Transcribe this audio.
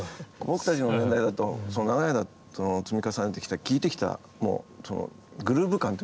僕たちの年代だと長い間積み重ねてきた聴いてきたグルーブ感っていうのがもうあるんで。